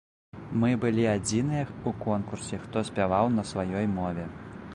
Мы былі адзіныя ў конкурсе, хто спяваў на сваёй мове.